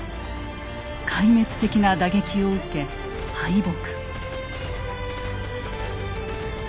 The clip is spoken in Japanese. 壊滅的な打撃を受け敗北。